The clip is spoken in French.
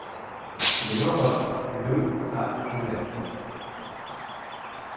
Il est mort le à Genève.